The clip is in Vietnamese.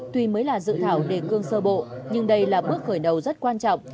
tuy mới là dự thảo đề cương sơ bộ nhưng đây là bước khởi đầu rất quan trọng